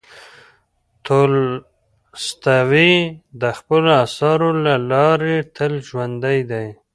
تولستوی د خپلو اثارو له لارې تل ژوندی دی.